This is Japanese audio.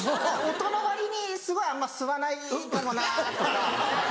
「音の割にすごいあんま吸わないかもな」とか。